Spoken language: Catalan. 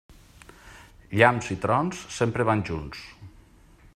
Llamps i trons sempre van junts.